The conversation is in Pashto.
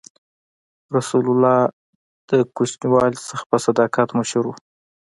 رسول الله ﷺ د کوچنیوالي نه په صداقت مشهور و.